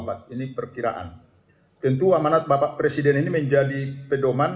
kepala bssn hinsa siburian menjelaskan berdasarkan arahan presiden joko widodo pada forum g dua puluh bali lalu